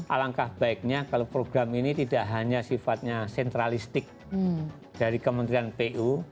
alangkah baiknya kalau program ini tidak hanya sifatnya sentralistik dari kementerian pu